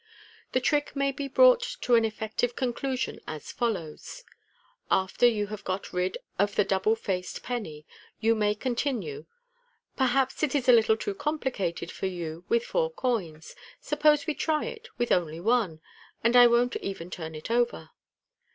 The trick may be brought to an effective conclusion as follows : After you have got rid of the double faced penny, you may continue, " Perhaps it is a little too complicated for you with four coins 5 sup pose we try it with one only, and I won't even turn it over."